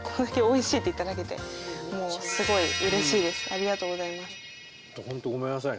ありがとうございます。